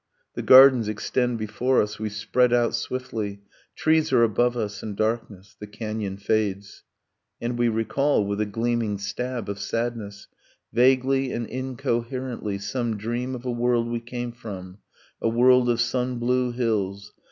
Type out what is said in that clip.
The gardens extend before us ... We spread out swiftly; Trees are above us, and darkness. The canyon fades ... And we recall, with a gleaming stab of sadness, Vaguely and incoherently, some dream Of a world we came from, a world of sun blue hills